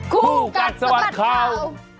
คู่กัดสวัสดิ์ข่าว